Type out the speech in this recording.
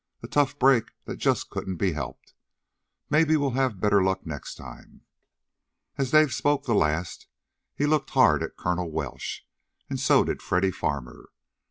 "A tough break that just couldn't be helped. Maybe we'll have better luck next time." As Dave spoke the last he looked hard at Colonel Welsh, and so did Freddy Farmer.